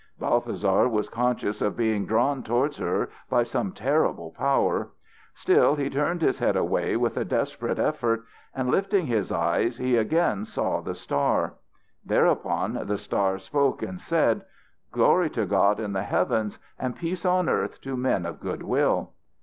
Balthasar was conscious of being drawn towards her by some terrible power. Still he turned his head away with a desperate effort, and lifting his eyes he again saw the star. Thereupon the star spoke and said: "Glory to God in the Heavens and peace on earth to men of good will!